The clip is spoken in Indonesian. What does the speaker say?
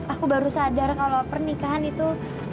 aku baru sadar kalau pernikahan itu